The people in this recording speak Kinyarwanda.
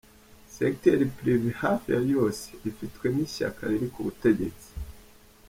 Secteur privé, hafi ya yose, ifitwe n’ishyaka riri ku butegetsi.